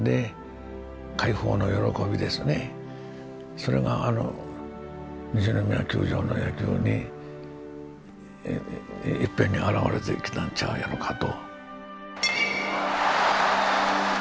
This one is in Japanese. それがあの西宮球場の野球にいっぺんにあらわれてきたんちゃうやろかと。